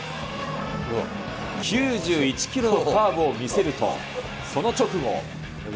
９１キロのカーブを見せると、その直後。